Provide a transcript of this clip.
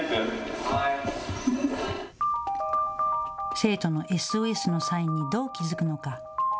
生徒のＳＯＳのサインにどう気付くのか。